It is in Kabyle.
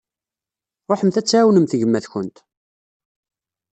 Ruḥemt ad tɛawnemt gma-tkumt.